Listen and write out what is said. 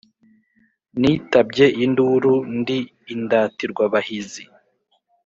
nitabye induru ndi indatirwabahizi